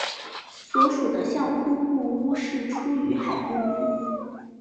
所属的相扑部屋是出羽海部屋。